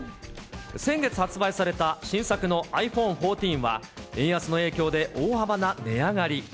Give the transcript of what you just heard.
先月発売された新作のｉＰｈｏｎｅ１４は、円安の影響で大幅な値上がり。